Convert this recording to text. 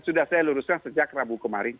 sudah saya luruskan sejak rabu kemarin